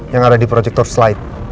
yang ada di projector slide